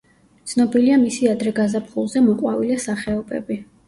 ცნობილია მისი ადრე გაზაფხულზე მოყვავილე სახეობები.